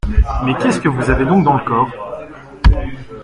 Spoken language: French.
Mais qu’est-ce que vous avez donc dans le corps ?…